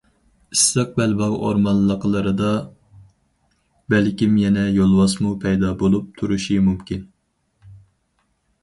ئىسسىق بەلباغ ئورمانلىقلىرىدا بەلكىم يەنە يولۋاسمۇ پەيدا بولۇپ تۇرۇشى مۇمكىن.